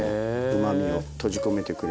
うまみを閉じ込めてくれますね。